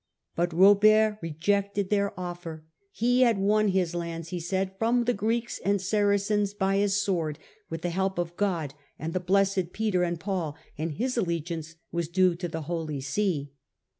But Bobert rejected their offer: he had won his lands, he said, from the Greeks and Saracens by his sword, with the help of God, and the blessed Peter and Paul, and his allegiance was due to the Holy See.